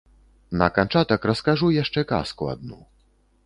На канчатак раскажу яшчэ казку адну.